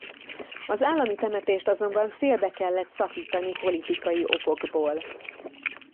Az állami temetést azonban félbe kellett szakítani politikai okokból.